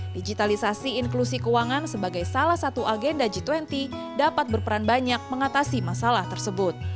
digitalisasi inklusi keuangan sebagai salah satu agenda g dua puluh dapat berperan banyak mengatasi masalah tersebut